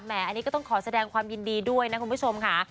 อันนี้ก็ต้องขอแสดงความยินดีด้วยนะคุณผู้ชมค่ะ